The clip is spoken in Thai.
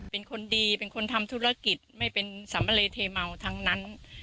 เป็นคนดีเป็นคนทำธุรกิจไม่เป็นสามะเลเทเมาทั้งนั้น